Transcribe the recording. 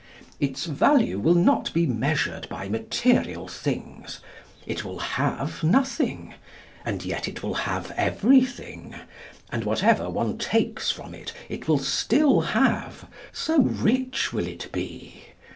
Its value will not be measured by material things. It will have nothing. And yet it will have everything, and whatever one takes from it, it will still have, so rich will it be.